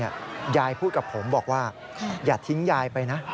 ยายพูดกับผมบอกว่าอย่าทิ้งยายไปนะ